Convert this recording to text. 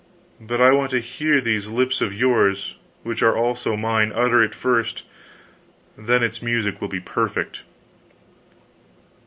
But I want to hear these lips of yours, which are also mine, utter it first then its music will be perfect."